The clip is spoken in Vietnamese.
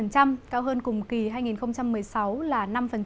cao hơn cùng kỳ hai nghìn một mươi sáu là năm